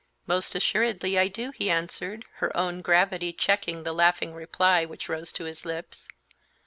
"Most assuredly I do," he answered, her own gravity checking the laughing reply which rose to his lips.